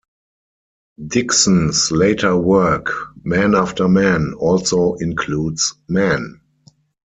Dixon's later work "Man After Man" also includes man.